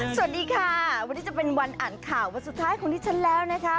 สวัสดีค่ะวันนี้จะเป็นวันอ่านข่าววันสุดท้ายของดิฉันแล้วนะคะ